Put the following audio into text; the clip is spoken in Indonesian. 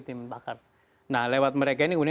tim bakar nah lewat mereka ini uni